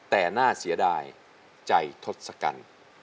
แต่หน้าเสียดายใจทดสกัน